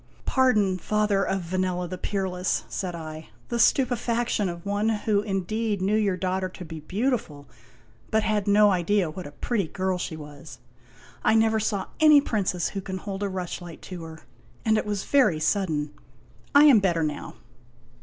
" Pardon, father of Vanella the peerless," said I, " the stupefaction of one who indeed knew your daughter to be beautiful, but had no idea what a pretty girl she was. I never saw any princess who can hold a rushlight to her ; and it was very sudden. I am better now."